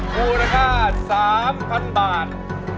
มูลค่า๓๐๐๐บาท